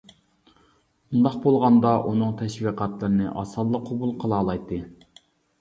ئۇنداق بولغاندا ئۇنىڭ تەشۋىقاتلىرىنى ئاسانلا قوبۇل قىلالايتتى.